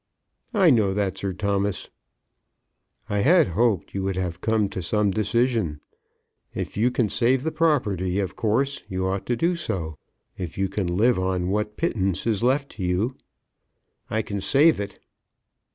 "I know that, Sir Thomas." "I had hoped you would have come to some decision. If you can save the property of course you ought to do so. If you can live on what pittance is left to you " "I can save it."